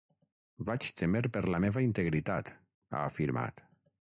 Vaig témer per la meva integritat, ha afirmat.